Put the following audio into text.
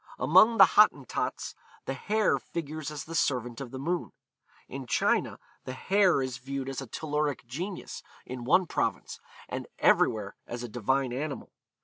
Among the Hottentots, the hare figures as the servant of the moon. In China, the hare is viewed as a telluric genius in one province, and everywhere as a divine animal.